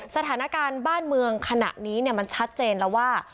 สถานการณ์บ้านเมืองขณะนี้มันชัดเจนแล้วว่า